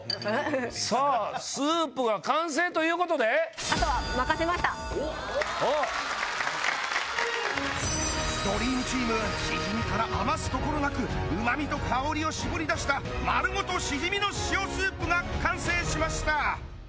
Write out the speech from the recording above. さあスープが完成ということでドリームチームしじみから余すところなくうま味と香りを絞り出したまるごとしじみの塩スープが完成しました！